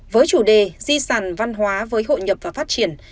với chủ đề di sản văn hóa với hội nhập và phát triển